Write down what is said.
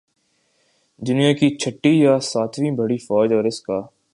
دنیا کی چھٹی یا ساتویں بڑی فوج اور اس کا